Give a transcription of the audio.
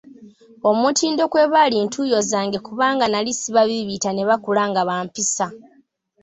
Omutindo kwe bali ntuuyo zange kubanga nnali sibabiibiita ne bakula nga bampisa.